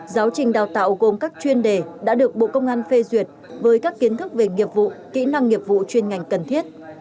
giáo trình đào tạo gồm các chuyên đề đã được bộ công an phê duyệt với các kiến thức về nghiệp vụ kỹ năng nghiệp vụ chuyên ngành cần thiết